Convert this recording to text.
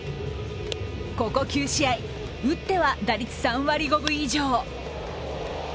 ここ９試合、打っては打率３割５分以上。